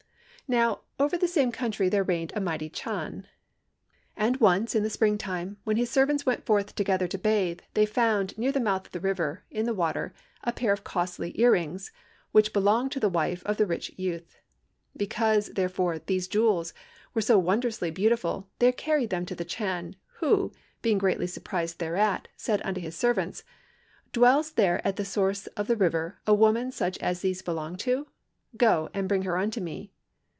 "Now, over the same country there reigned a mighty Chan. And once in the spring time, when his servants went forth together to bathe, they found, near the mouth of the river, in the water, a pair of costly earrings, which belonged to the wife of the rich youth. Because, therefore, these jewels were so wondrously beautiful, they carried them to the Chan, who, being greatly surprised thereat, said unto his servants, 'Dwells there at the source of the river a woman such as these belong to? Go, and bring her unto me.'